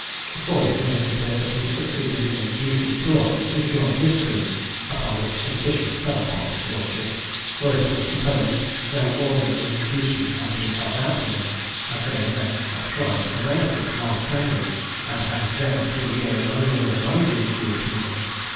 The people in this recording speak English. Accordingly it appears that he succeeded in inducing two of them to join his crew, upon which suspicion fell upon his lordship; for it was supposed no ordinary inducement had been held out to them, as they were men of tried fidelity, long standing, and had then three years' arrears of wages due to them.